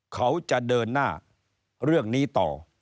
เขาจะเดินหน้าเรื่องนี้ต่อ